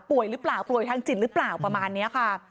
หรือเปล่าป่วยทางจิตหรือเปล่าประมาณนี้ค่ะ